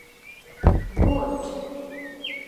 👞 بوټ